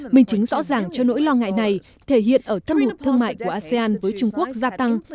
minh chứng rõ ràng cho nỗi lo ngại này thể hiện ở thâm hụt thương mại của asean với trung quốc gia tăng